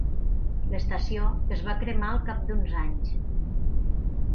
L'estació es va cremar al cap d'uns anys.